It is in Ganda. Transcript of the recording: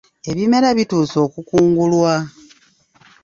Ebimera bituuse okukungulwa.